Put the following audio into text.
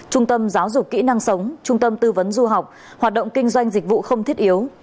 trung tâm giáo dục kỹ năng sống trung tâm tư vấn du học hoạt động kinh doanh dịch vụ không thiết yếu